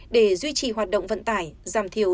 để duy trì hoạt động vận tải giảm thiểu